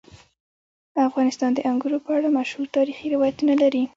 افغانستان د انګور په اړه مشهور تاریخی روایتونه لري.